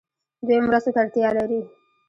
دوی مرستو ته اړتیا لري.